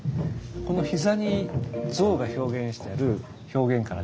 この膝にゾウが表現してある表現からですね